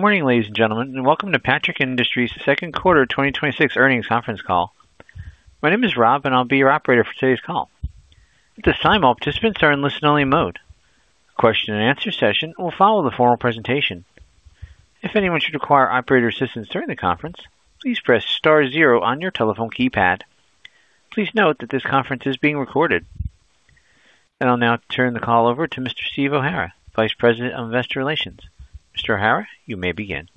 Good morning, ladies and gentlemen, and welcome to Patrick Industries' second quarter 2026 earnings conference call. My name is Rob, and I'll be your operator for today's call. At this time, all participants are in listen-only mode. A question-and-answer session will follow the formal presentation. If anyone should require operator assistance during the conference, please press star zero on your telephone keypad. Please note that this conference is being recorded. I will now turn the call over to Mr. Steve O'Hara, Vice President of Investor Relations. Mr. O'Hara, you may begin.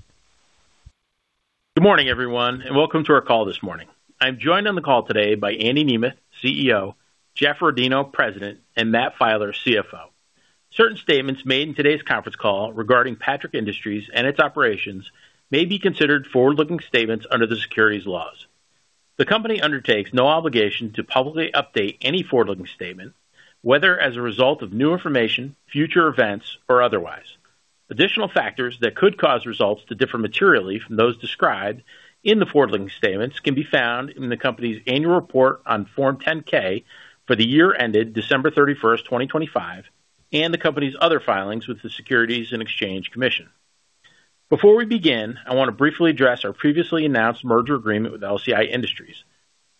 Good morning, everyone, and welcome to our call this morning. I'm joined on the call today by Andy Nemeth, CEO, Jeff Rodino, President, and Matt Filer, CFO. Certain statements made in today's conference call regarding Patrick Industries and its operations may be considered forward-looking statements under the securities laws. The company undertakes no obligation to publicly update any forward-looking statement, whether as a result of new information, future events, or otherwise. Additional factors that could cause results to differ materially from those described in the forward-looking statements can be found in the company's annual report on Form 10-K for the year ended December 31st, 2025, and the company's other filings with the Securities and Exchange Commission. Before we begin, I want to briefly address our previously announced merger agreement with LCI Industries.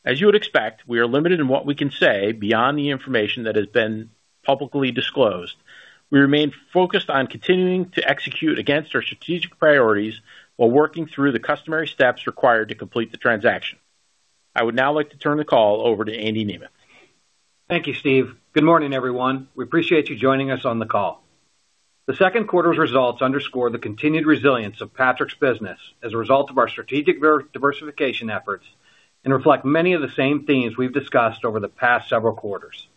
As you would expect, we are limited in what we can say beyond the information that has been publicly disclosed. We remain focused on continuing to execute against our strategic priorities while working through the customary steps required to complete the transaction. I would now like to turn the call over to Andy Nemeth. Thank you, Steve. Good morning, everyone. We appreciate you joining us on the call. The second quarter's results underscore the continued resilience of Patrick's business as a result of our strategic diversification efforts and reflect many of the same themes we've discussed over the past several quarters.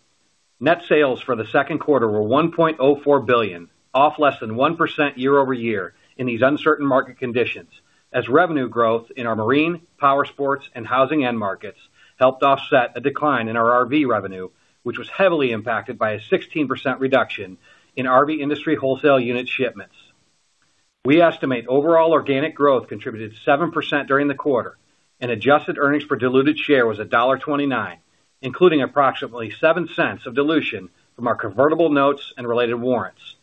Net sales for the second quarter were $1.04 billion, off less than 1% year-over-year in these uncertain market conditions as revenue growth in our marine, powersports, and housing end markets helped offset a decline in our RV revenue, which was heavily impacted by a 16% reduction in RV industry wholesale unit shipments. We estimate overall organic growth contributed 7% during the quarter and adjusted earnings per diluted share was $1.29, including approximately $0.07 of dilution from our convertible notes and related warrants.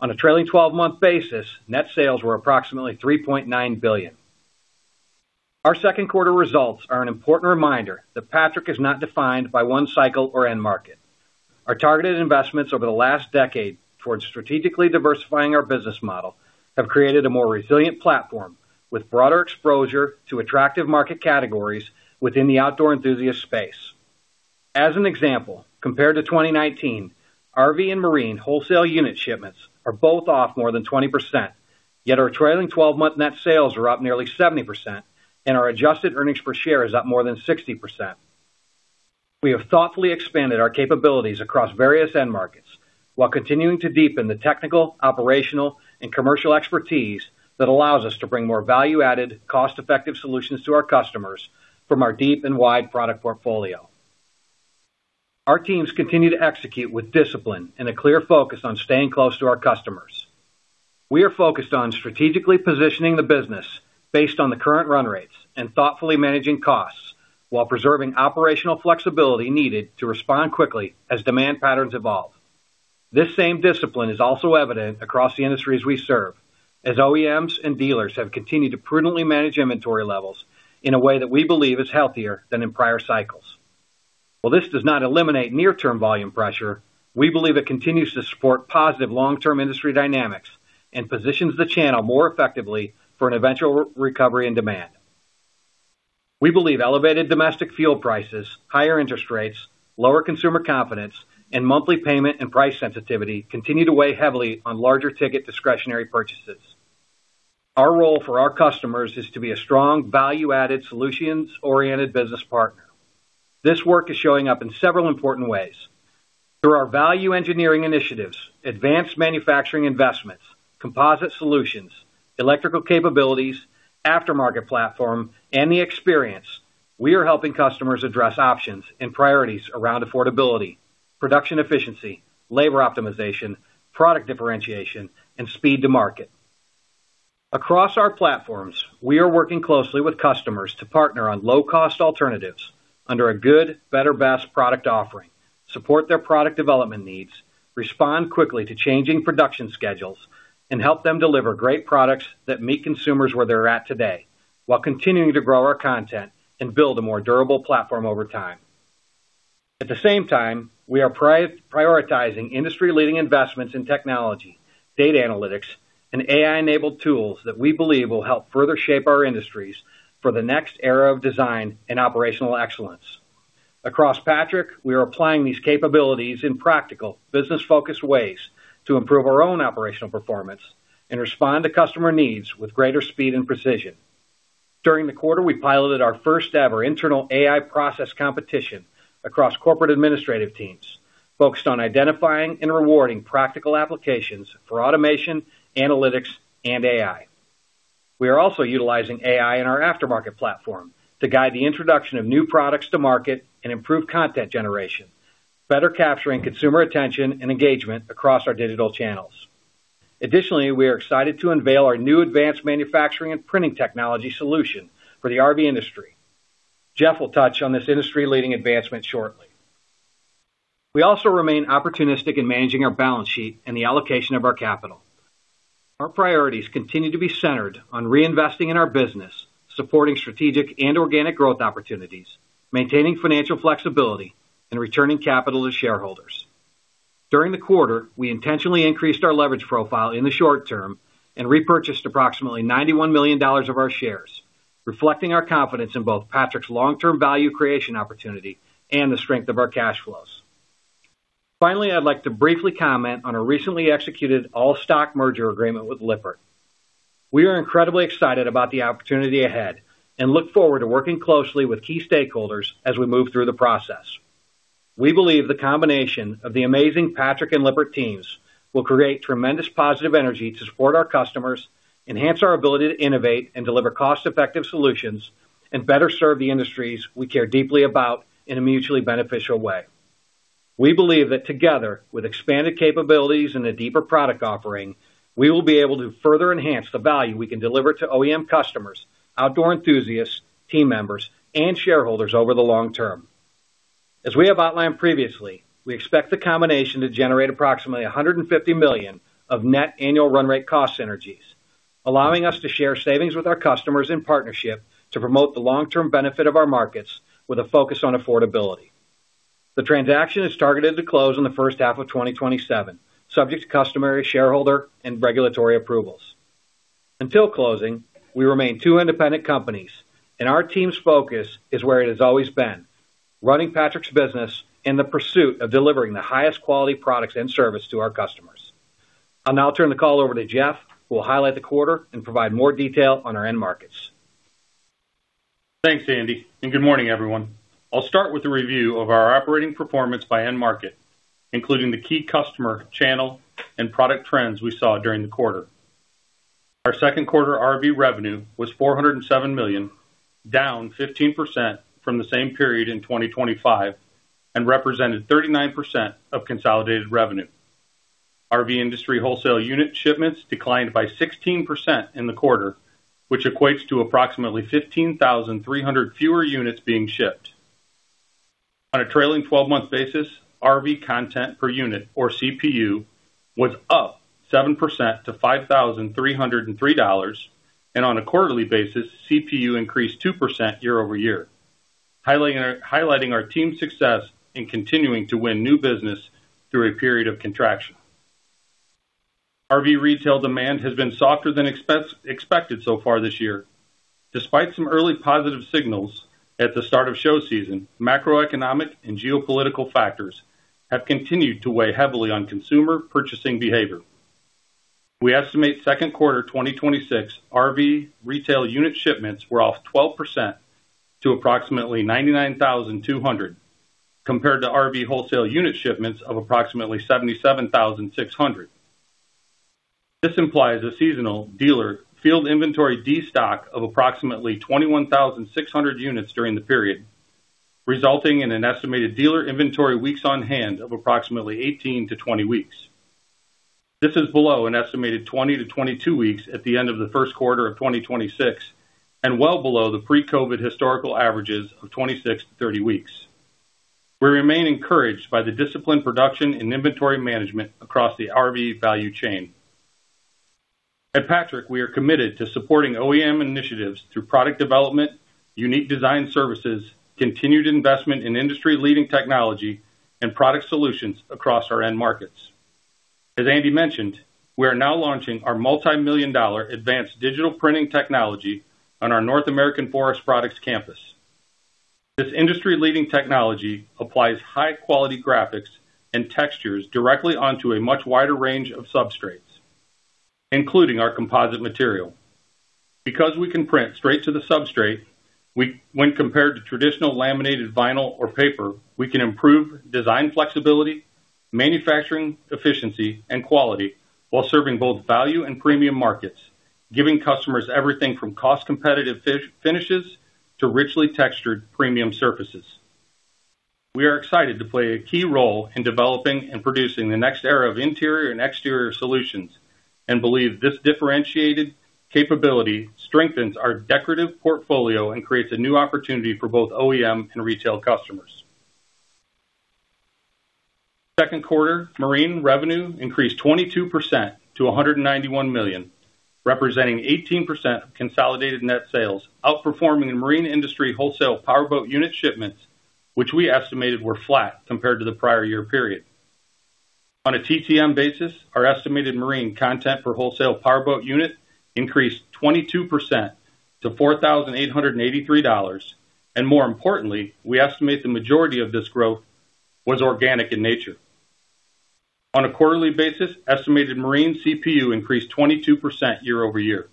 On a trailing 12-month basis, net sales were approximately $3.9 billion. Our second quarter results are an important reminder that Patrick is not defined by one cycle or end market. Our targeted investments over the last decade towards strategically diversifying our business model have created a more resilient platform with broader exposure to attractive market categories within the outdoor enthusiast space. As an example, compared to 2019, RV and marine wholesale unit shipments are both off more than 20%, yet our trailing 12-month net sales are up nearly 70% and our adjusted earnings per share is up more than 60%. We have thoughtfully expanded our capabilities across various end markets while continuing to deepen the technical, operational, and commercial expertise that allows us to bring more value-added, cost-effective solutions to our customers from our deep and wide product portfolio. Our teams continue to execute with discipline and a clear focus on staying close to our customers. We are focused on strategically positioning the business based on the current run rates and thoughtfully managing costs while preserving operational flexibility needed to respond quickly as demand patterns evolve. This same discipline is also evident across the industries we serve, as OEMs and dealers have continued to prudently manage inventory levels in a way that we believe is healthier than in prior cycles. While this does not eliminate near-term volume pressure, we believe it continues to support positive long-term industry dynamics and positions the channel more effectively for an eventual recovery and demand. We believe elevated domestic fuel prices, higher interest rates, lower consumer confidence, and monthly payment and price sensitivity continue to weigh heavily on larger ticket discretionary purchases. Our role for our customers is to be a strong, value-added, solutions-oriented business partner. This work is showing up in several important ways. Through our value engineering initiatives, advanced manufacturing investments, composite solutions, electrical capabilities, aftermarket platform, and the experience, we are helping customers address options and priorities around affordability, production efficiency, labor optimization, product differentiation, and speed to market. Across our platforms, we are working closely with customers to partner on low-cost alternatives under a good, better, best product offering, support their product development needs, respond quickly to changing production schedules, and help them deliver great products that meet consumers where they're at today while continuing to grow our content and build a more durable platform over time. At the same time, we are prioritizing industry-leading investments in technology, data analytics, and AI-enabled tools that we believe will help further shape our industries for the next era of design and operational excellence. Across Patrick, we are applying these capabilities in practical, business-focused ways to improve our own operational performance and respond to customer needs with greater speed and precision. During the quarter, we piloted our first-ever internal AI process competition across corporate administrative teams focused on identifying and rewarding practical applications for automation, analytics, and AI. We are also utilizing AI in our aftermarket platform to guide the introduction of new products to market and improve content generation, better capturing consumer attention and engagement across our digital channels. Additionally, we are excited to unveil our new advanced manufacturing and printing technology solution for the RV industry. Jeff will touch on this industry-leading advancement shortly. We also remain opportunistic in managing our balance sheet and the allocation of our capital. Our priorities continue to be centered on reinvesting in our business, supporting strategic and organic growth opportunities, maintaining financial flexibility, and returning capital to shareholders. During the quarter, we intentionally increased our leverage profile in the short term and repurchased approximately $91 million of our shares, reflecting our confidence in both Patrick's long-term value creation opportunity and the strength of our cash flows. Finally, I'd like to briefly comment on a recently executed all-stock merger agreement with Lippert. We are incredibly excited about the opportunity ahead and look forward to working closely with key stakeholders as we move through the process. We believe the combination of the amazing Patrick and Lippert teams will create tremendous positive energy to support our customers, enhance our ability to innovate and deliver cost-effective solutions, and better serve the industries we care deeply about in a mutually beneficial way. We believe that together, with expanded capabilities and a deeper product offering, we will be able to further enhance the value we can deliver to OEM customers, outdoor enthusiasts, team members, and shareholders over the long term. As we have outlined previously, we expect the combination to generate approximately $150 million of net annual run rate cost synergies, allowing us to share savings with our customers in partnership to promote the long-term benefit of our markets with a focus on affordability. The transaction is targeted to close in the first half of 2027, subject to customary shareholder and regulatory approvals. Until closing, we remain two independent companies, and our team's focus is where it has always been, running Patrick's business and the pursuit of delivering the highest quality products and service to our customers. I'll now turn the call over to Jeff, who will highlight the quarter and provide more detail on our end markets. Thanks, Andy, good morning, everyone. I'll start with a review of our operating performance by end market, including the key customer channel and product trends we saw during the quarter. Our second quarter RV revenue was $407 million, down 15% from the same period in 2025 and represented 39% of consolidated revenue. RV industry wholesale unit shipments declined by 16% in the quarter, which equates to approximately 15,300 fewer units being shipped. On a trailing 12-month basis, RV content per unit, or CPU, was up 7% to $5,303. On a quarterly basis, CPU increased 2% year-over-year, highlighting our team's success in continuing to win new business through a period of contraction. RV retail demand has been softer than expected so far this year. Despite some early positive signals at the start of show season, macroeconomic and geopolitical factors have continued to weigh heavily on consumer purchasing behavior. We estimate second quarter 2026 RV retail unit shipments were off 12% to approximately 99,200, compared to RV wholesale unit shipments of approximately 77,600. This implies a seasonal dealer field inventory destock of approximately 21,600 units during the period, resulting in an estimated dealer inventory weeks on hand of approximately 18 weeks-20 weeks. This is below an estimated 20 weeks-22 weeks at the end of the first quarter of 2026 and well below the pre-COVID historical averages of 26 weeks-30 weeks. We remain encouraged by the disciplined production and inventory management across the RV value chain. At Patrick, we are committed to supporting OEM initiatives through product development, unique design services, continued investment in industry-leading technology, and product solutions across our end markets. As Andy mentioned, we are now launching our multimillion-dollar advanced digital printing technology on our North American Forest Products campus. This industry-leading technology applies high-quality graphics and textures directly onto a much wider range of substrates, including our composite material. Because we can print straight to the substrate, when compared to traditional laminated vinyl or paper, we can improve design flexibility, manufacturing efficiency, and quality while serving both value and premium markets, giving customers everything from cost-competitive finishes to richly textured premium surfaces. We are excited to play a key role in developing and producing the next era of interior and exterior solutions and believe this differentiated capability strengthens our decorative portfolio and creates a new opportunity for both OEM and retail customers. Second quarter marine revenue increased 22% to $191 million, representing 18% of consolidated net sales, outperforming the marine industry wholesale powerboat unit shipments, which we estimated were flat compared to the prior year period. On a TTM basis, our estimated marine content per wholesale powerboat unit increased 22% to $4,883. More importantly, we estimate the majority of this growth was organic in nature. On a quarterly basis, estimated marine CPU increased 22% year-over-year.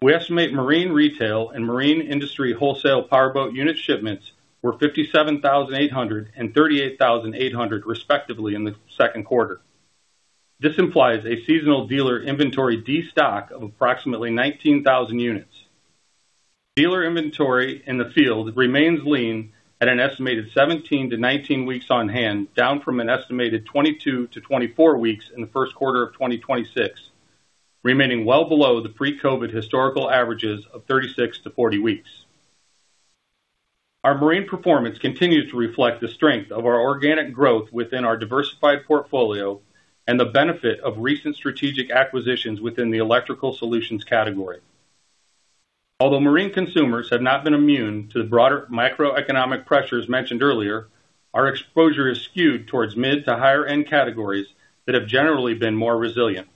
We estimate marine retail and marine industry wholesale powerboat unit shipments were 57,800 and 38,800 respectively in the second quarter. This implies a seasonal dealer inventory destock of approximately 19,000 units. Dealer inventory in the field remains lean at an estimated 17 weeks-19 weeks on hand, down from an estimated 22 weeks-24 weeks in the first quarter of 2026. Remaining well below the pre-COVID historical averages of 36 weeks-40 weeks. Our marine performance continues to reflect the strength of our organic growth within our diversified portfolio and the benefit of recent strategic acquisitions within the electrical solutions category. Although marine consumers have not been immune to the broader macroeconomic pressures mentioned earlier, our exposure is skewed towards mid to higher end categories that have generally been more resilient.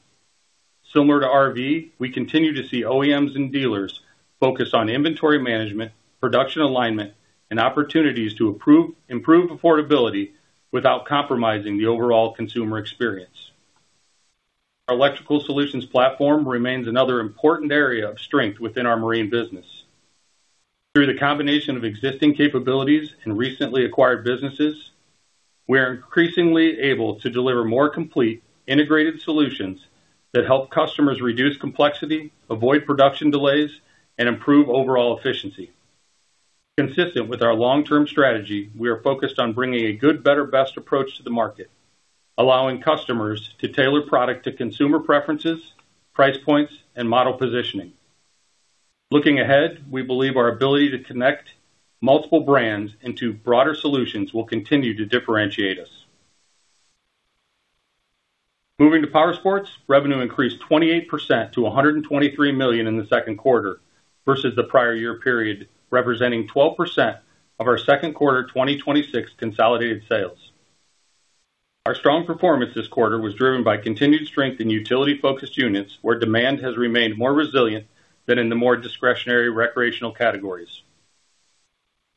Similar to RV, we continue to see OEMs and dealers focus on inventory management, production alignment and opportunities to improve affordability without compromising the overall consumer experience. Our electrical solutions platform remains another important area of strength within our marine business. Through the combination of existing capabilities and recently acquired businesses, we are increasingly able to deliver more complete integrated solutions that help customers reduce complexity, avoid production delays, and improve overall efficiency. Consistent with our long-term strategy, we are focused on bringing a good, better, best approach to the market, allowing customers to tailor product to consumer preferences, price points, and model positioning. Looking ahead, we believe our ability to connect multiple brands into broader solutions will continue to differentiate us. Moving to powersports, revenue increased 28% to $123 million in the second quarter versus the prior year period, representing 12% of our second quarter 2026 consolidated sales. Our strong performance this quarter was driven by continued strength in utility-focused units, where demand has remained more resilient than in the more discretionary recreational categories.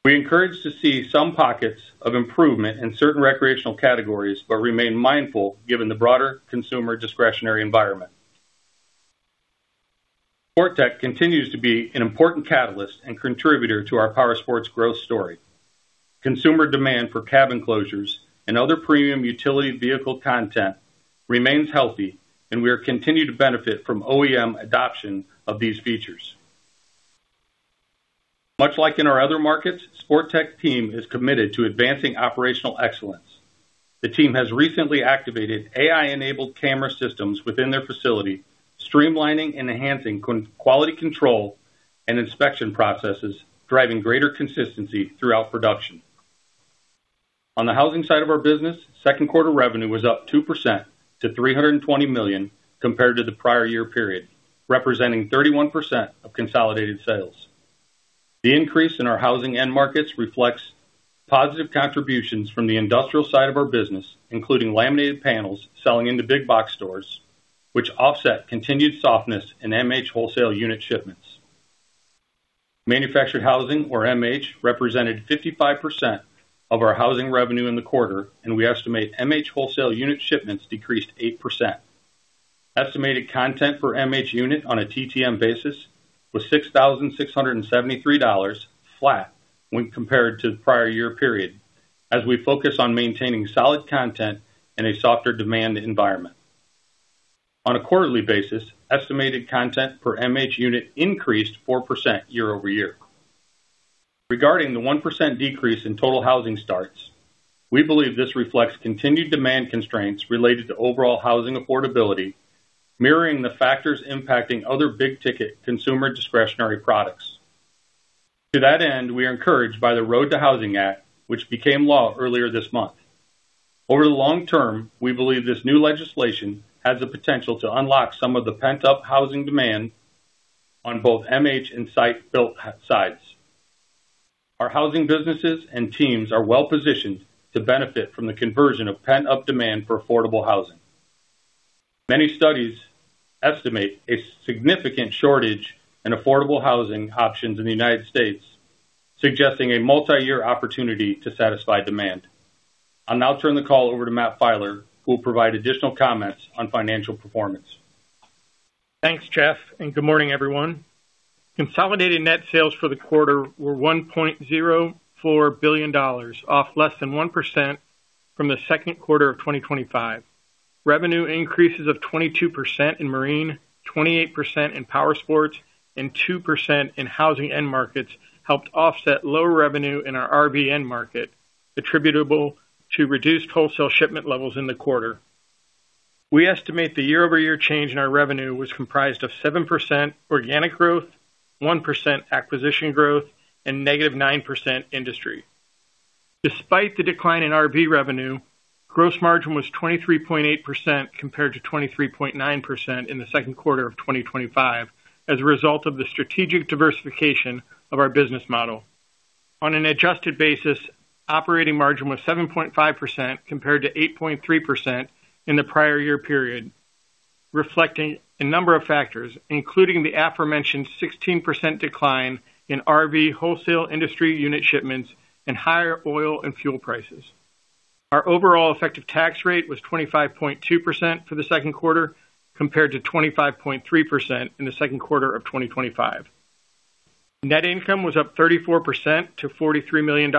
We are encouraged to see some pockets of improvement in certain recreational categories but remain mindful given the broader consumer discretionary environment. Sportech continues to be an important catalyst and contributor to our powersports growth story. Consumer demand for cabin closures and other premium utility vehicle content remains healthy, and we are continuing to benefit from OEM adoption of these features. Much like in our other markets, Sportech team is committed to advancing operational excellence. The team has recently activated AI-enabled camera systems within their facility, streamlining and enhancing quality control and inspection processes, driving greater consistency throughout production. On the housing side of our business, second quarter revenue was up 2% to $320 million compared to the prior year period, representing 31% of consolidated sales. The increase in our housing end markets reflects positive contributions from the industrial side of our business, including laminated panels selling into big box stores, which offset continued softness in MH wholesale unit shipments. Manufactured housing or MH represented 55% of our housing revenue in the quarter, and we estimate MH wholesale unit shipments decreased 8%. Estimated content per MH unit on a TTM basis was $6,673 flat when compared to the prior year period as we focus on maintaining solid content in a softer demand environment. On a quarterly basis, estimated content per MH unit increased 4% year-over-year. Regarding the 1% decrease in total housing starts, we believe this reflects continued demand constraints related to overall housing affordability, mirroring the factors impacting other big-ticket consumer discretionary products. To that end, we are encouraged by the Road to Housing Act, which became law earlier this month. Over the long term, we believe this new legislation has the potential to unlock some of the pent-up housing demand on both MH and site built sites. Our housing businesses and teams are well-positioned to benefit from the conversion of pent-up demand for affordable housing. Many studies estimate a significant shortage in affordable housing options in the United States, suggesting a multi-year opportunity to satisfy demand. I'll now turn the call over to Matt Filer, who will provide additional comments on financial performance. Thanks, Jeff. And good morning, everyone. Consolidated net sales for the quarter were $1.04 billion, off less than 1% from the second quarter of 2025. Revenue increases of 22% in marine, 28% in powersports and 2% in housing end markets helped offset lower revenue in our RV end market, attributable to reduced wholesale shipment levels in the quarter. We estimate the year-over-year change in our revenue was comprised of 7% organic growth, 1% acquisition growth and -9% industry. Despite the decline in RV revenue, gross margin was 23.8% compared to 23.9% in the second quarter of 2025 as a result of the strategic diversification of our business model. On an adjusted basis, operating margin was 7.5% compared to 8.3% in the prior year period, reflecting a number of factors, including the aforementioned 16% decline in RV wholesale industry unit shipments and higher oil and fuel prices. Our overall effective tax rate was 25.2% for the second quarter, compared to 25.3% in the second quarter of 2025. Net income was up 34% to $43 million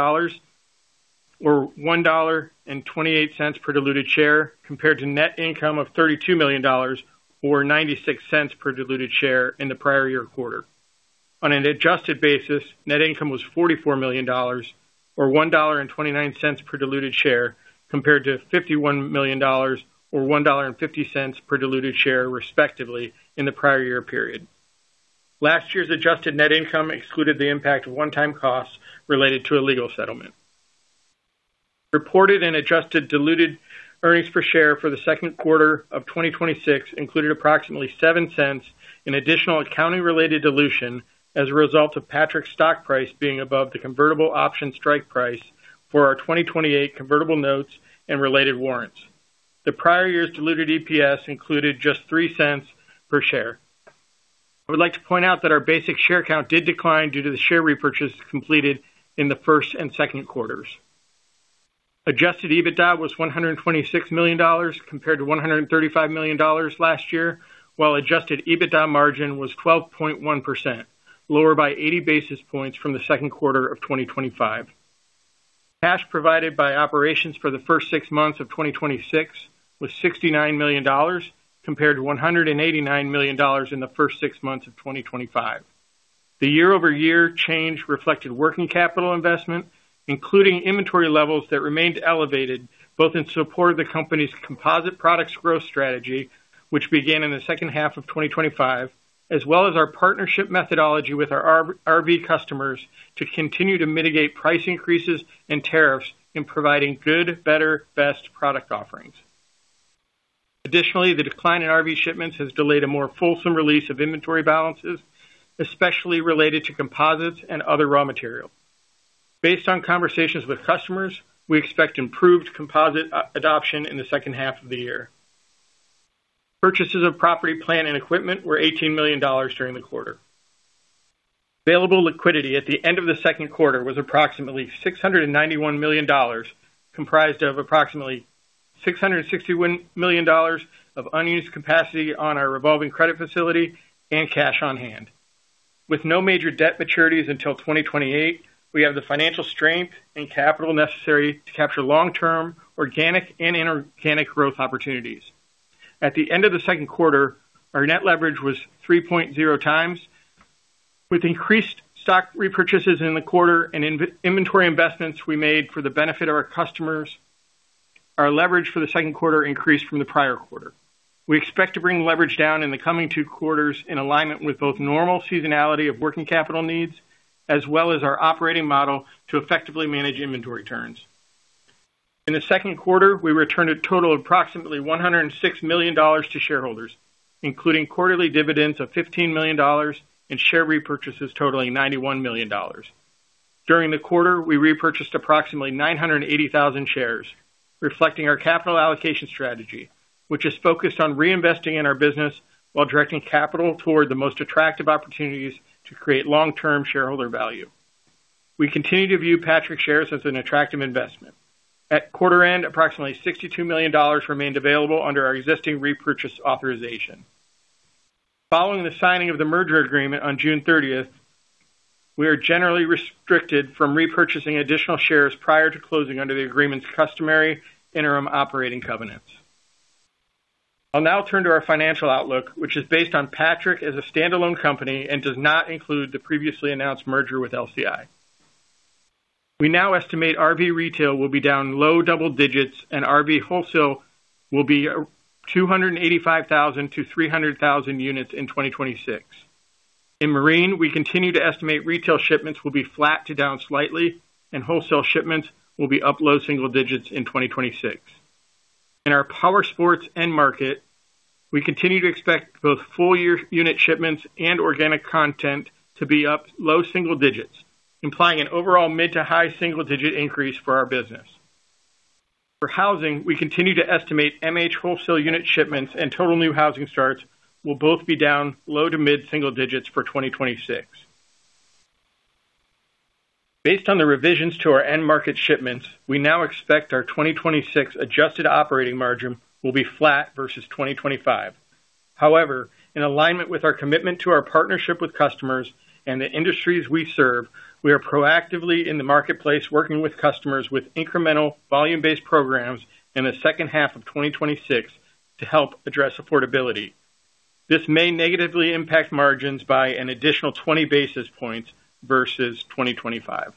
or $1.28 per diluted share, compared to net income of $32 million or $0.96 per diluted share in the prior year quarter. On an adjusted basis, net income was $44 million, or $1.29 per diluted share, compared to $51 million, or $1.50 per diluted share respectively in the prior year period. Last year's adjusted net income excluded the impact of one-time costs related to a legal settlement. Reported and adjusted diluted earnings per share for the second quarter of 2026 included approximately $0.07 in additional accounting-related dilution as a result of Patrick's stock price being above the convertible option strike price for our 2028 convertible notes and related warrants. The prior year's diluted EPS included just $0.03 per share. I would like to point out that our basic share count did decline due to the share repurchase completed in the first and second quarters. Adjusted EBITDA was $126 million compared to $135 million last year, while adjusted EBITDA margin was 12.1%, lower by 80 basis points from the second quarter of 2025. Cash provided by operations for the first six months of 2026 was $69 million, compared to $189 million in the first six months of 2025. The year-over-year change reflected working capital investment, including inventory levels that remained elevated, both in support of the company's composite products growth strategy, which began in the second half of 2025, as well as our partnership methodology with our RV customers to continue to mitigate price increases and tariffs in providing good, better, best product offerings. Additionally, the decline in RV shipments has delayed a more fulsome release of inventory balances, especially related to composites and other raw materials. Based on conversations with customers, we expect improved composite adoption in the second half of the year. Purchases of property, plant, and equipment were $18 million during the quarter. Available liquidity at the end of the second quarter was approximately $691 million, comprised of approximately $661 million of unused capacity on our revolving credit facility and cash on hand. With no major debt maturities until 2028, we have the financial strength and capital necessary to capture long-term organic and inorganic growth opportunities. At the end of the second quarter, our net leverage was 3.0x. With increased stock repurchases in the quarter and inventory investments we made for the benefit of our customers, our leverage for the second quarter increased from the prior quarter. We expect to bring leverage down in the coming two quarters in alignment with both normal seasonality of working capital needs as well as our operating model to effectively manage inventory turns. In the second quarter, we returned a total of approximately $106 million to shareholders, including quarterly dividends of $15 million and share repurchases totaling $91 million. During the quarter, we repurchased approximately 980,000 shares, reflecting our capital allocation strategy, which is focused on reinvesting in our business while directing capital toward the most attractive opportunities to create long-term shareholder value. We continue to view Patrick shares as an attractive investment. At quarter end, approximately $62 million remained available under our existing repurchase authorization. Following the signing of the merger agreement on June 30th, we are generally restricted from repurchasing additional shares prior to closing under the agreement's customary interim operating covenants. I'll now turn to our financial outlook, which is based on Patrick as a standalone company and does not include the previously announced merger with LCI. We now estimate RV retail will be down low double digits and RV wholesale will be 285,000 units-300,000 units in 2026. In marine, we continue to estimate retail shipments will be flat to down slightly, and wholesale shipments will be up low single digits in 2026. In our powersports end market, we continue to expect both full-year unit shipments and organic content to be up low single digits, implying an overall mid to high single-digit increase for our business. For housing, we continue to estimate MH wholesale unit shipments and total new housing starts will both be down low to mid single digits for 2026. Based on the revisions to our end market shipments, we now expect our 2026 adjusted operating margin will be flat versus 2025. However, in alignment with our commitment to our partnership with customers and the industries we serve, we are proactively in the marketplace working with customers with incremental volume-based programs in the second half of 2026 to help address affordability. This may negatively impact margins by an additional 20 basis points versus 2025.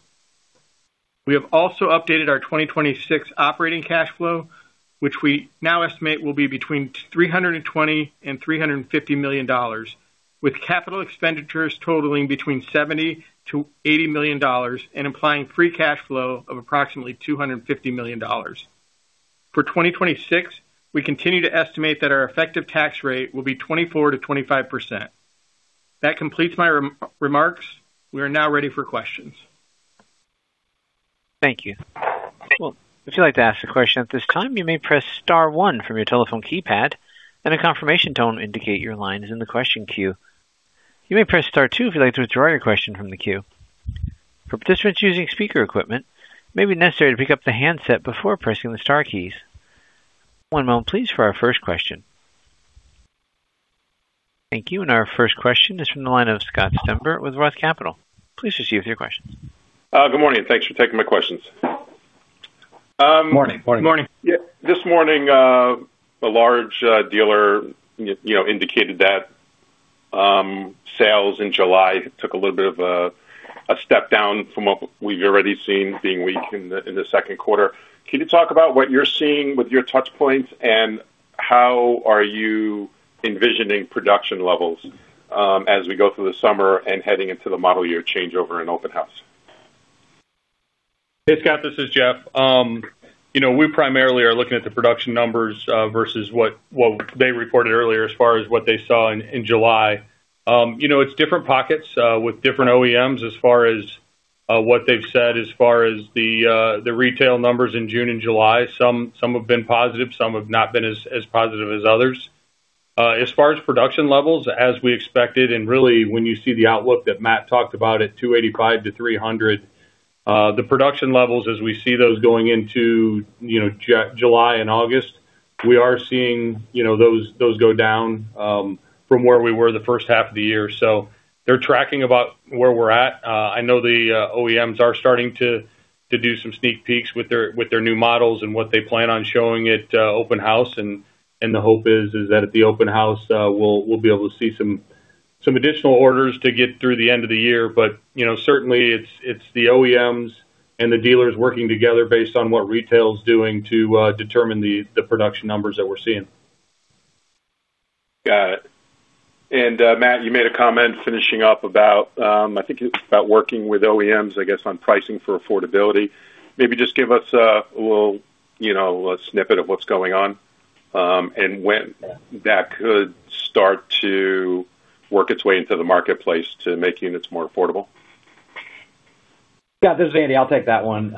We have also updated our 2026 operating cash flow, which we now estimate will be between $320 million and $350 million, with capital expenditures totaling between $70 million-$80 million and implying free cash flow of approximately $250 million. For 2026, we continue to estimate that our effective tax rate will be 24%-25%. That completes my remarks. We are now ready for questions. Thank you. Well, if you'd like to ask a question at this time, you may press star one from your telephone keypad and a confirmation tone indicate your line is in the question queue. You may press star two if you'd like to withdraw your question from the queue. For participants using speaker equipment, it may be necessary to pick up the handset before pressing the star keys. One moment please for our first question. Thank you. Our first question is from the line of Scott Stember with ROTH Capital. Please proceed with your questions. Good morning. Thanks for taking my questions. Morning. Morning. Yeah. This morning, a large dealer indicated that sales in July took a little bit of a step down from what we've already seen being weak in the second quarter. Can you talk about what you're seeing with your touch points, and how are you envisioning production levels as we go through the summer and heading into the model year changeover and Open House? Hey, Scott, this is Jeff. We primarily are looking at the production numbers versus what they reported earlier as far as what they saw in July. It's different pockets with different OEMs as far as what they've said as far as the retail numbers in June and July. Some have been positive, some have not been as positive as others. As far as production levels, as we expected, and really, when you see the outlook that Matt talked about at 285,000 units-300,000 units. The production levels as we see those going into July and August, we are seeing those go down from where we were the first half of the year. They're tracking about where we're at. I know the OEMs are starting to do some sneak peeks with their new models and what they plan on showing at Open House. The hope is that at the Open House, we'll be able to see some additional orders to get through the end of the year. Certainly, it's the OEMs and the dealers working together based on what retail's doing to determine the production numbers that we're seeing. Got it. Matt, you made a comment finishing up about, I think it was about working with OEMs, I guess, on pricing for affordability. Maybe just give us a little snippet of what's going on, and when that could start to work its way into the marketplace to make units more affordable. This is Andy. I'll take that one.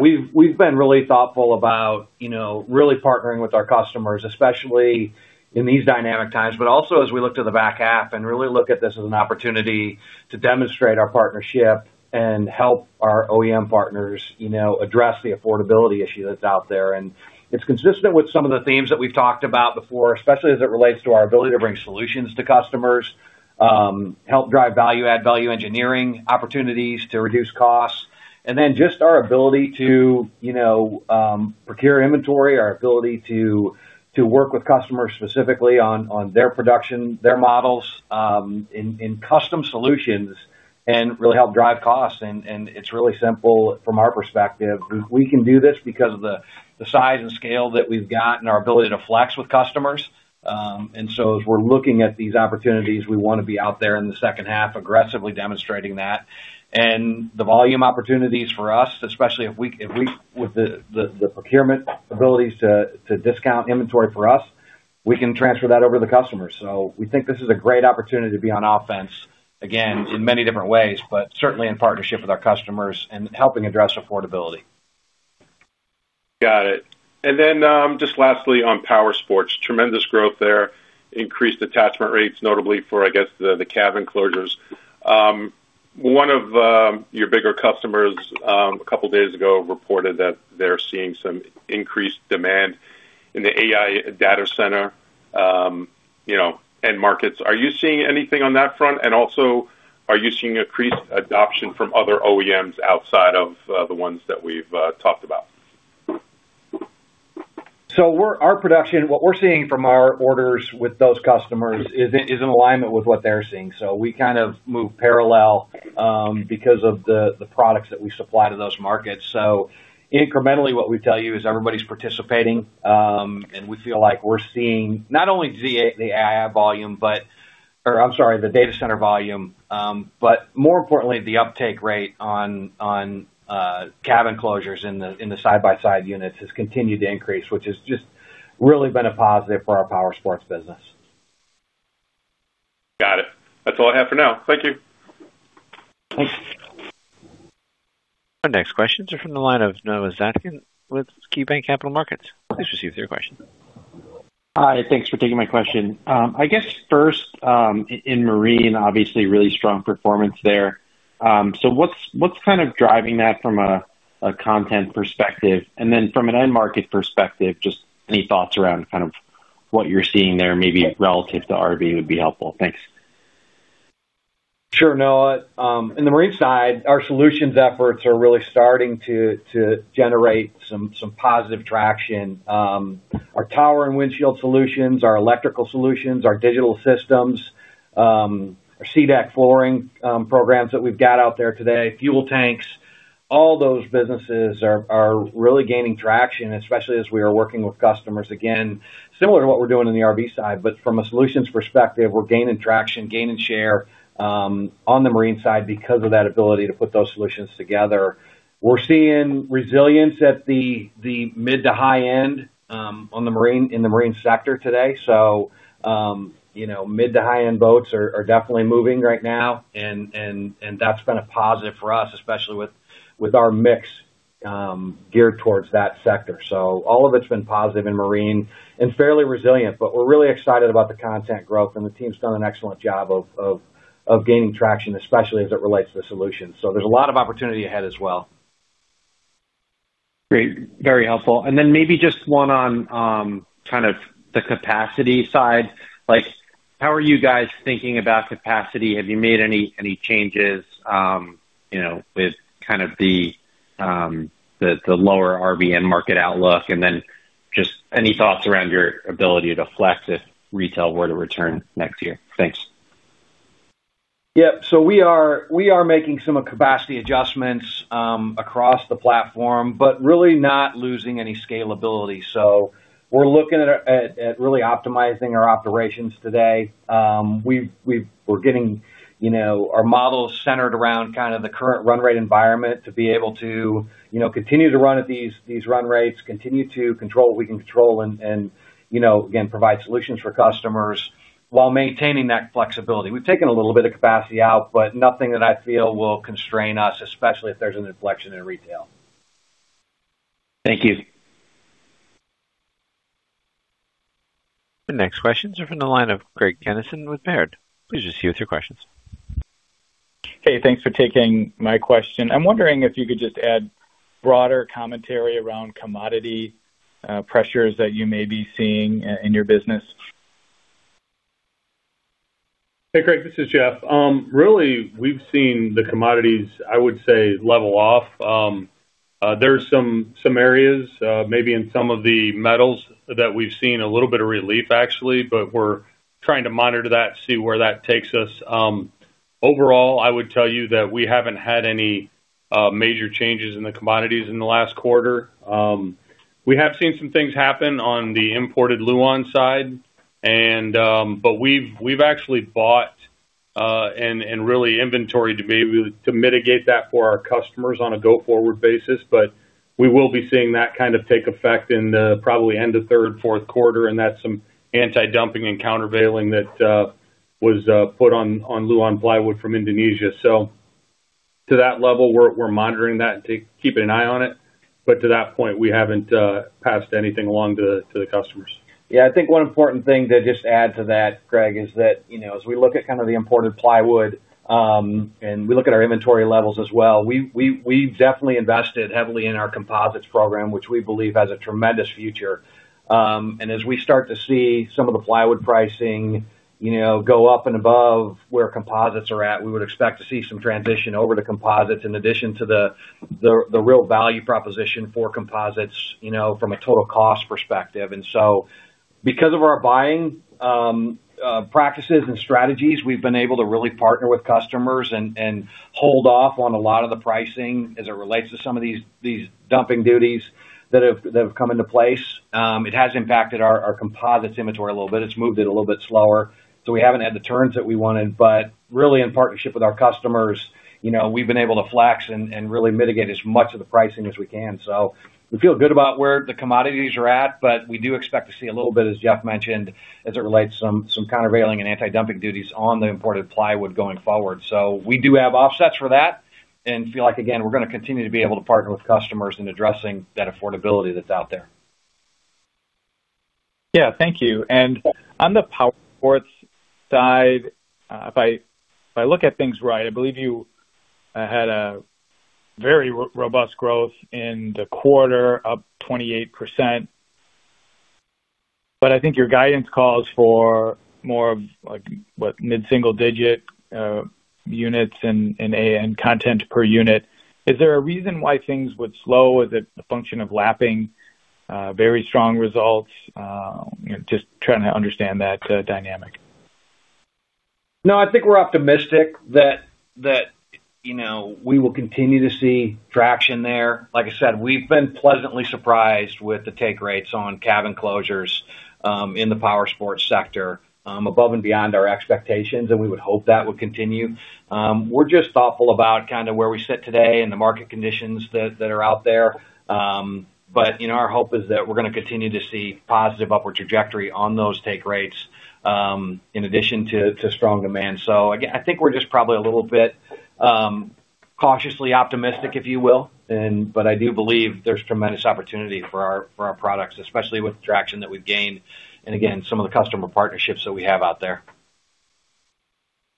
We've been really thoughtful about really partnering with our customers, especially in these dynamic times, but also as we look to the back half and really look at this as an opportunity to demonstrate our partnership and help our OEM partners address the affordability issue that's out there. It's consistent with some of the themes that we've talked about before, especially as it relates to our ability to bring solutions to customers, help drive value, add value engineering opportunities to reduce costs. Just our ability to procure inventory, our ability to work with customers specifically on their production, their models in custom solutions and really help drive costs. It's really simple from our perspective. We can do this because of the size and scale that we've got and our ability to flex with customers. As we're looking at these opportunities, we want to be out there in the second half aggressively demonstrating that. The volume opportunities for us, especially if we, with the procurement abilities to discount inventory for us, we can transfer that over to the customer. We think this is a great opportunity to be on offense again in many different ways, but certainly in partnership with our customers and helping address affordability. Got it. Just lastly on powersports. Tremendous growth there, increased attachment rates, notably for, I guess, the cab enclosures. One of your bigger customers, a couple of days ago, reported that they're seeing some increased demand in the AI data center end markets. Are you seeing anything on that front? Also, are you seeing increased adoption from other OEMs outside of the ones that we've talked about? Our production, what we're seeing from our orders with those customers is in alignment with what they're seeing. We kind of move parallel because of the products that we supply to those markets. Incrementally, what we tell you is everybody's participating. We feel like we're seeing not only the AI volume or the data center volume. More importantly, the uptake rate on cab enclosures in the side-by-side units has continued to increase, which has just really been a positive for our powersports business. Got it. That's all I have for now. Thank you. Thanks. Our next questions are from the line of Noah Zatzkin with KeyBanc Capital Markets. Please proceed with your question. Hi. Thanks for taking my question. I guess first, in marine, obviously really strong performance there. What's kind of driving that from a content perspective? Then from an end market perspective, just any thoughts around kind of what you're seeing there, maybe relative to RV would be helpful. Thanks. Sure, Noah. In the marine side, our solutions efforts are really starting to generate some positive traction. Our tower and windshield solutions, our electrical solutions, our digital systems, our SeaDek flooring programs that we've got out there today, fuel tanks, all those businesses are really gaining traction, especially as we are working with customers, again, similar to what we're doing in the RV side. From a solutions perspective, we're gaining traction, gaining share on the marine side because of that ability to put those solutions together. We're seeing resilience at the mid-to-high-end in the marine sector today. Mid-to-high-end boats are definitely moving right now, and that's been a positive for us, especially with our mix geared towards that sector. All of it's been positive in marine and fairly resilient, but we're really excited about the content growth, and the team's done an excellent job of gaining traction, especially as it relates to solutions. There's a lot of opportunity ahead as well. Great. Very helpful. Maybe just one on kind of the capacity side. How are you guys thinking about capacity? Have you made any changes with the lower RV and market outlook? Just any thoughts around your ability to flex if retail were to return next year? Thanks. Yep. We are making some capacity adjustments across the platform, but really not losing any scalability. We're looking at really optimizing our operations today. We're getting our models centered around kind of the current run rate environment to be able to continue to run at these run rates, continue to control what we can control, and again, provide solutions for customers while maintaining that flexibility. We've taken a little bit of capacity out, but nothing that I feel will constrain us, especially if there's an inflection in retail. Thank you. The next questions are from the line of Craig Kennison with Baird. Please proceed with your questions. Hey, thanks for taking my question. I'm wondering if you could just add broader commentary around commodity pressures that you may be seeing in your business. Hey, Craig, this is Jeff. We've seen the commodities, I would say, level off. There's some areas, maybe in some of the metals that we've seen a little bit of relief, actually, but we're trying to monitor that, see where that takes us. Overall, I would tell you that we haven't had any major changes in the commodities in the last quarter. We have seen some things happen on the imported lauan side, but we've actually bought and really inventoried to mitigate that for our customers on a go-forward basis. We will be seeing that kind of take effect in probably end of third, fourth quarter, and that's some anti-dumping and countervailing that was put on lauan plywood from Indonesia. To that level, we're monitoring that and keeping an eye on it. To that point, we haven't passed anything along to the customers. Yeah, I think one important thing to just add to that, Craig, is that as we look at kind of the imported plywood, and we look at our inventory levels as well, we've definitely invested heavily in our composites program, which we believe has a tremendous future. As we start to see some of the plywood pricing go up and above where composites are at, we would expect to see some transition over to composites in addition to the real value proposition for composites from a total cost perspective. Because of our buying practices and strategies, we've been able to really partner with customers and hold off on a lot of the pricing as it relates to some of these dumping duties that have come into place. It has impacted our composites inventory a little bit. It's moved it a little bit slower. We haven't had the turns that we wanted. Really in partnership with our customers, we've been able to flex and really mitigate as much of the pricing as we can. We feel good about where the commodities are at, but we do expect to see a little bit, as Jeff mentioned, as it relates to some countervailing and anti-dumping duties on the imported plywood going forward. We do have offsets for that and feel like, again, we're going to continue to be able to partner with customers in addressing that affordability that's out there. Yeah. Thank you. On the power sports side, if I look at things right, I believe you had a very robust growth in the quarter, up 28%, but I think your guidance calls for more of like, what, mid-single digit units and [AAM content per unit. Is there a reason why things would slow? Is it a function of lapping very strong results? Just trying to understand that dynamic. No, I think we're optimistic that we will continue to see traction there. Like I said, we've been pleasantly surprised with the take rates on cabin closures in the power sports sector above and beyond our expectations, and we would hope that would continue. We're just thoughtful about kind of where we sit today and the market conditions that are out there. Our hope is that we're going to continue to see positive upward trajectory on those take rates in addition to strong demand. Again, I think we're just probably a little bit cautiously optimistic, if you will, but I do believe there's tremendous opportunity for our products, especially with the traction that we've gained, and again, some of the customer partnerships that we have out there.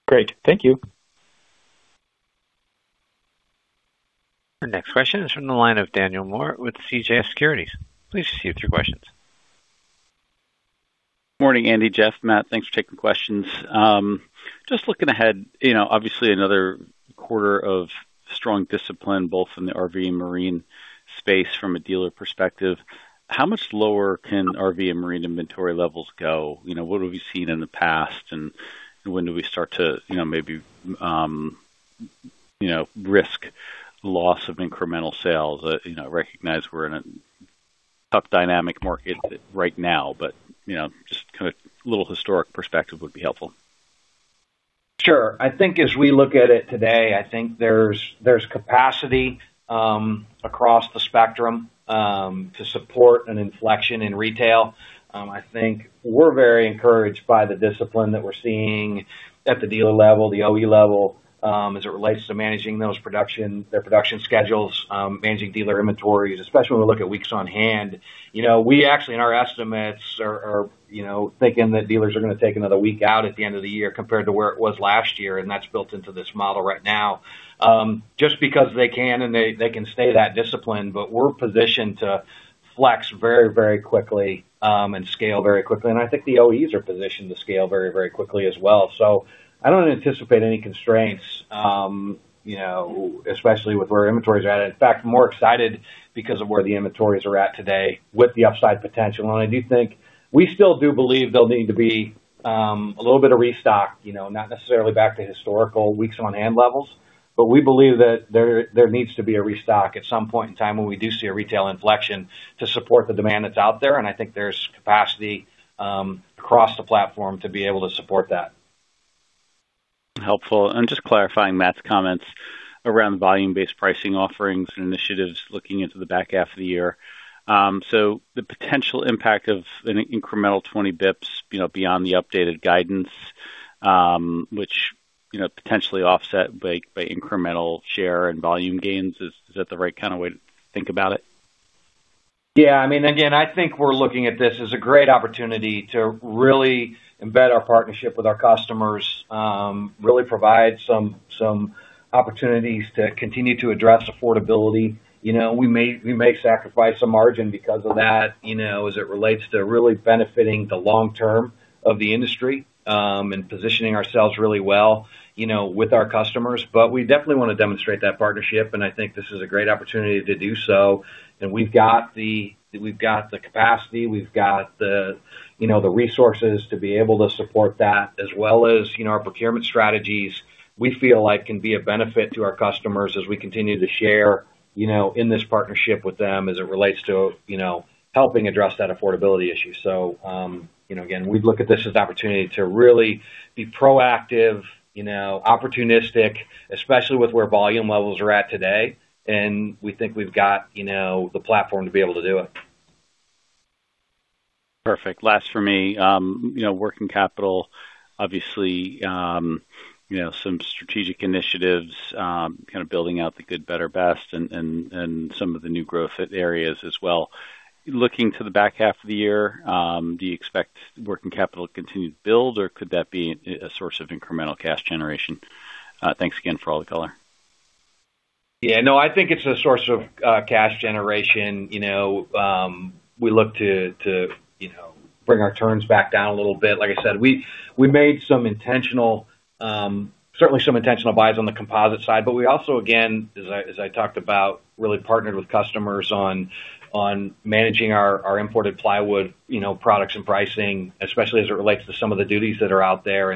Great. Thank you. Our next question is from the line of Daniel Moore with CJS Securities. Please proceed with your questions. Morning, Andy, Jeff, Matt. Thanks for taking questions. Just looking ahead, obviously another quarter of strong discipline, both in the RV and marine space from a dealer perspective. How much lower can RV and marine inventory levels go? What have we seen in the past, and when do we start to maybe risk loss of incremental sales? I recognize we're in a tough dynamic market right now, but just kind of a little historic perspective would be helpful. Sure. I think as we look at it today, I think there's capacity across the spectrum to support an inflection in retail. I think we're very encouraged by the discipline that we're seeing at the dealer level, the OE level, as it relates to managing their production schedules, managing dealer inventories, especially when we look at weeks on hand. We actually, in our estimates, are thinking that dealers are going to take another week out at the end of the year compared to where it was last year, and that's built into this model right now. We're positioned to flex very, very quickly and scale very quickly. I think the OEs are positioned to scale very, very quickly as well. I don't anticipate any constraints especially with where inventories are at. In fact, more excited because of where the inventories are at today with the upside potential. I do think we still do believe there'll need to be a little bit of restock, not necessarily back to historical weeks on hand levels, but we believe that there needs to be a restock at some point in time when we do see a retail inflection to support the demand that's out there. I think there's capacity across the platform to be able to support that. Helpful. Just clarifying Matt's comments around volume-based pricing offerings and initiatives looking into the back half of the year. The potential impact of an incremental 20 basis points beyond the updated guidance, which potentially offset by incremental share and volume gains, is that the right kind of way to think about it? Yeah. Again, I think we're looking at this as a great opportunity to really embed our partnership with our customers, really provide some opportunities to continue to address affordability. We may sacrifice some margin because of that, as it relates to really benefiting the long-term of the industry, and positioning ourselves really well with our customers. We definitely want to demonstrate that partnership, and I think this is a great opportunity to do so. We've got the capacity, we've got the resources to be able to support that as well as our procurement strategies we feel like can be a benefit to our customers as we continue to share in this partnership with them as it relates to helping address that affordability issue. Again, we look at this as an opportunity to really be proactive, opportunistic, especially with where volume levels are at today. We think we've got the platform to be able to do it. Perfect. Last for me. Working capital, obviously, some strategic initiatives, kind of building out the good, better, best and some of the new growth areas as well. Looking to the back half of the year, do you expect working capital to continue to build, or could that be a source of incremental cash generation? Thanks again for all the color. I think it's a source of cash generation. We look to bring our turns back down a little bit. Like I said, we made certainly some intentional buys on the composite side, but we also, again, as I talked about, really partnered with customers on managing our imported plywood products and pricing, especially as it relates to some of the duties that are out there.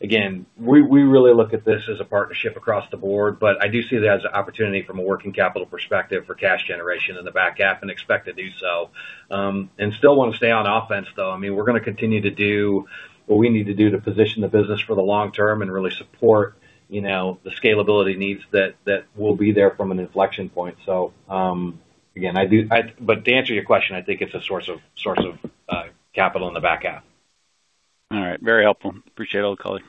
Again, we really look at this as a partnership across the board, but I do see it as an opportunity from a working capital perspective for cash generation in the back half and expect to do so. Still want to stay on offense, though. We're going to continue to do what we need to do to position the business for the long term and really support the scalability needs that will be there from an inflection point. To answer your question, I think it's a source of capital in the back half. All right. Very helpful. Appreciate all the color.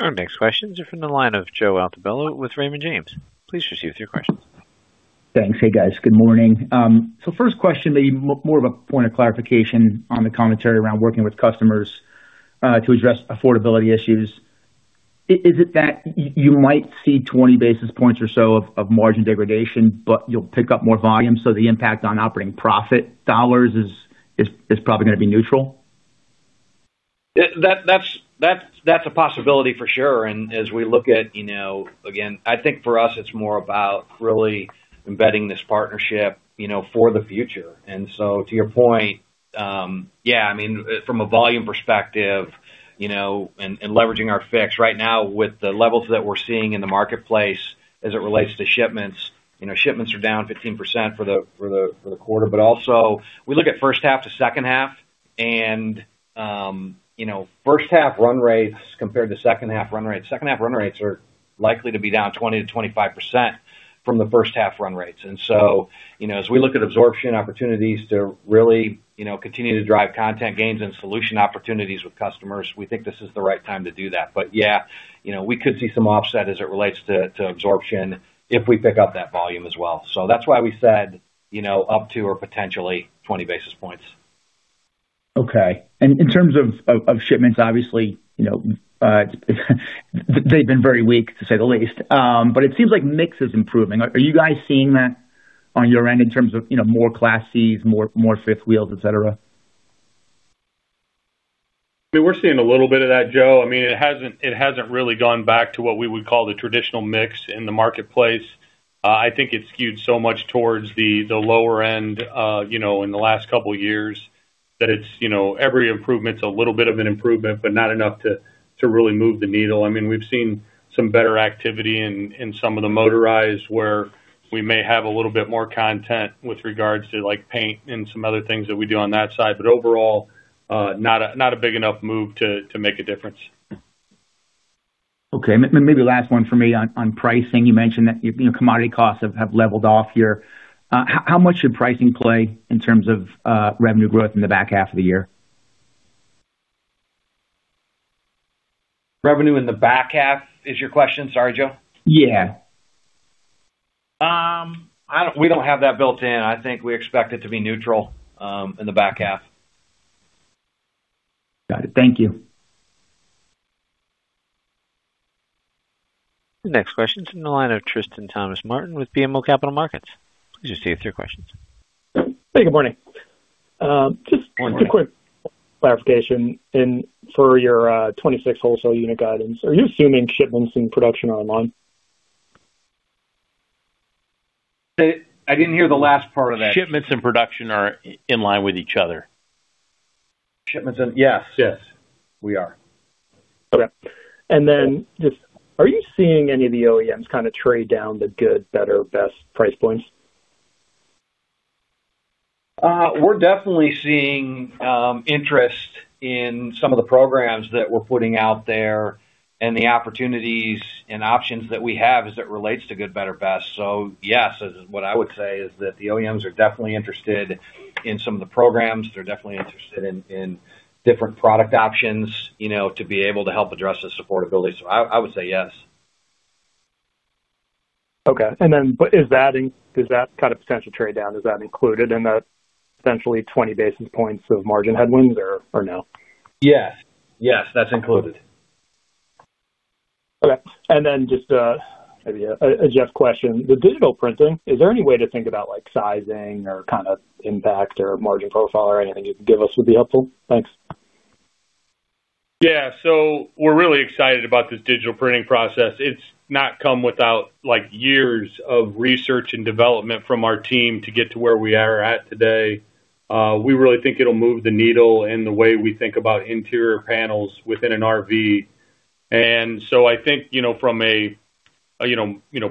Our next questions are from the line of Joe Altobello with Raymond James. Please proceed with your questions. Thanks. Hey, guys. Good morning. First question may be more of a point of clarification on the commentary around working with customers to address affordability issues. Is it that you might see 20 basis points or so of margin degradation, but you'll pick up more volume, the impact on operating profit dollars is probably going to be neutral? That's a possibility for sure. As we look at, again, I think for us it's more about really embedding this partnership for the future. To your point, yeah, from a volume perspective, and leveraging our fixed right now with the levels that we're seeing in the marketplace as it relates to shipments. Shipments are down 15% for the quarter, but also we look at first half to second half and first half run rates compared to second half run rates. Second half run rates are likely to be down 20%-25% from the first half run rates. As we look at absorption opportunities to really continue to drive content gains and solution opportunities with customers, we think this is the right time to do that. Yeah, we could see some offset as it relates to absorption if we pick up that volume as well. That's why we said up to or potentially 20 basis points. Okay. In terms of shipments, obviously, they've been very weak to say the least. It seems like mix is improving. Are you guys seeing that on your end in terms of more Class C, more fifth wheels, et cetera? We're seeing a little bit of that, Joe. It hasn't really gone back to what we would call the traditional mix in the marketplace. I think it's skewed so much towards the lower end in the last couple of years that every improvement's a little bit of an improvement, but not enough to really move the needle. We've seen some better activity in some of the motorized where we may have a little bit more content with regards to paint and some other things that we do on that side, but overall, not a big enough move to make a difference. Okay. Maybe last one from me on pricing. You mentioned that commodity costs have leveled off here. How much should pricing play in terms of revenue growth in the back half of the year? Revenue in the back half is your question? Sorry, Joe. Yeah. We don't have that built in. I think we expect it to be neutral in the back half. Got it. Thank you. The next question is in the line of Tristan Thomas-Martin with BMO Capital Markets. Please proceed with your questions. Hey, good morning. Good morning. Just a quick clarification. For your 2026 wholesale unit guidance, are you assuming shipments and production are in line? I didn't hear the last part of that. Shipments and production are in line with each other. Shipments Yes. Yes. We are. Okay. Just, are you seeing any of the OEMs kind of trade down the good, better, best price points? We're definitely seeing interest in some of the programs that we're putting out there and the opportunities and options that we have as it relates to good, better, best. Yes, what I would say is that the OEMs are definitely interested in some of the programs. They're definitely interested in different product options to be able to help address the supportability. I would say yes. Okay. Is that kind of potential trade down, is that included in the essentially 20 basis points of margin headwinds or no? Yes. That's included. Okay. Just maybe a Jeff question. The digital printing, is there any way to think about sizing or kind of impact or margin profile or anything you can give us would be helpful? Thanks. We're really excited about this digital printing process. It's not come without years of research and development from our team to get to where we are at today. We really think it'll move the needle in the way we think about interior panels within an RV. I think from a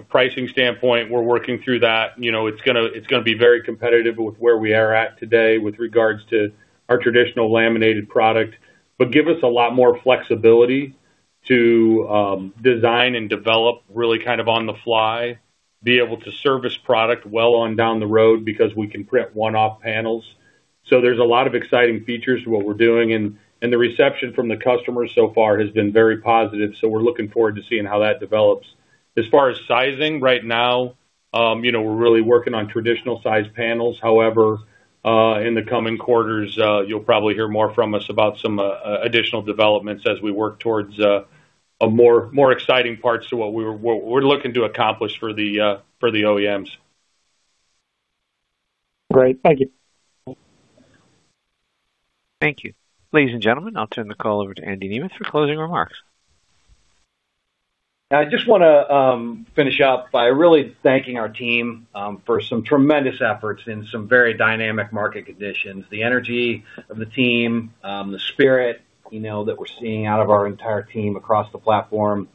pricing standpoint, we're working through that. It's going to be very competitive with where we are at today with regards to our traditional laminated product, but give us a lot more flexibility to design and develop really kind of on the fly, be able to service product well on down the road because we can print one-off panels. There's a lot of exciting features to what we're doing and the reception from the customers so far has been very positive. We're looking forward to seeing how that develops. As far as sizing right now, we're really working on traditional size panels. However, in the coming quarters, you'll probably hear more from us about some additional developments as we work towards more exciting parts to what we're looking to accomplish for the OEMs. Great. Thank you. Thank you. Ladies and gentlemen, I'll turn the call over to Andy Nemeth for closing remarks. I just want to finish up by really thanking our team for some tremendous efforts in some very dynamic market conditions. The energy of the team, the spirit that we're seeing out of our entire team across the platform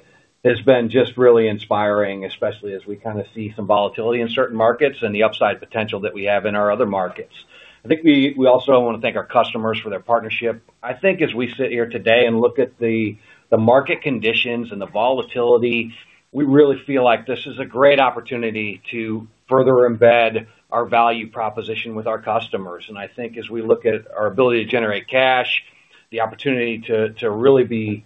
has been just really inspiring, especially as we kind of see some volatility in certain markets and the upside potential that we have in our other markets. I think we also want to thank our customers for their partnership. I think as we sit here today and look at the market conditions and the volatility, we really feel like this is a great opportunity to further embed our value proposition with our customers. I think as we look at our ability to generate cash, the opportunity to really be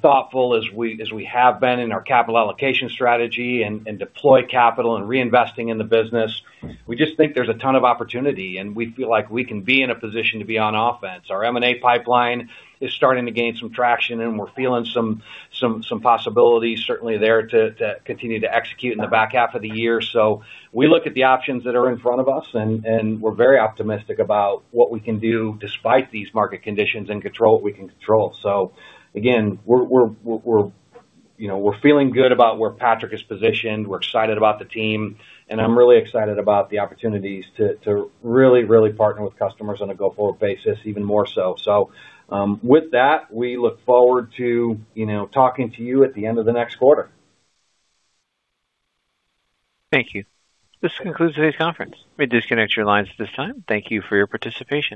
thoughtful as we have been in our capital allocation strategy and deploy capital and reinvesting in the business, we just think there's a ton of opportunity, and we feel like we can be in a position to be on offense. Our M&A pipeline is starting to gain some traction, and we're feeling some possibilities certainly there to continue to execute in the back half of the year. We look at the options that are in front of us, and we're very optimistic about what we can do despite these market conditions and control what we can control. Again, we're feeling good about where Patrick is positioned. We're excited about the team, and I'm really excited about the opportunities to really partner with customers on a go-forward basis even more so. With that, we look forward to talking to you at the end of the next quarter. Thank you. This concludes today's conference. You may disconnect your lines at this time. Thank you for your participation.